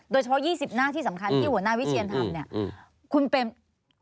โดยเฉพาะ๒๐หน้าที่สำคัญที่หัวหน้าวิทยาลัยธรรมเนี่ย